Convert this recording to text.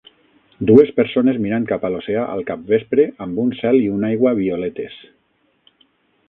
Dues persones mirant cap a l'oceà al capvespre amb un cel i una aigua violetes.